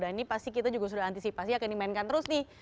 dan ini pasti kita juga sudah antisipasi akan dimainkan terus nih